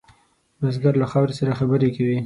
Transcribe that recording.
بزګر له خاورې سره خبرې کوي